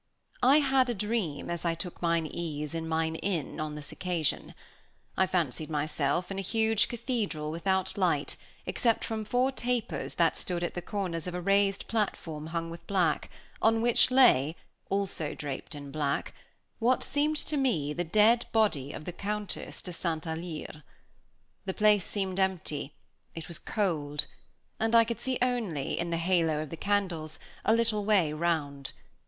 I had a dream as I took mine ease in mine inn on this occasion. I fancied myself in a huge cathedral, without light, except from four tapers that stood at the corners of a raised platform hung with black, on which lay, draped also in black, what seemed to me the dead body of the Countess de St. Alyre. The place seemed empty, it was cold, and I could see only (in the halo of the candles) a little way round.